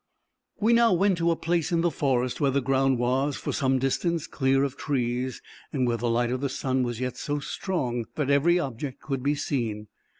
We now went to a place in the forest, where the ground was, for some distance, clear of trees, and where the light of the sun was yet so strong, that every object could be seen.